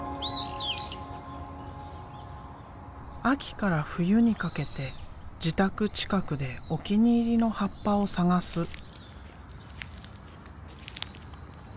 秋から冬にかけて自宅近くでお気に入りの葉っぱを探す。